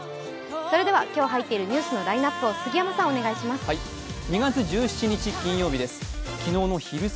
それでは今日入っているニュースのラインナップをお願いします。